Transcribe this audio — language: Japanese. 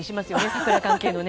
桜関係の。